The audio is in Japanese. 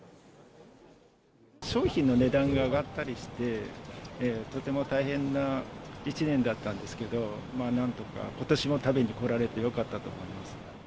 商品の値段が上がったりして、とても大変な１年だったんですけど、なんとかことしも食べに来られてよかったと思います。